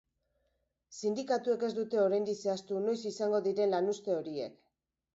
Sindikatuek ez dute oraindik zehaztu noiz izango diren lanuzte horiek.